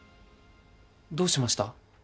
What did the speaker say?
どうしました？